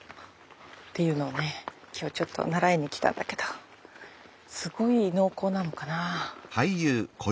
今日ちょっと習いに来たんだけどすごい濃厚なのかな。